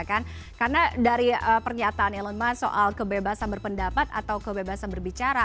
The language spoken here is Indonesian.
karena dari pernyataan elon musk soal kebebasan berpendapat atau kebebasan berbicara